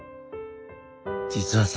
実はさ。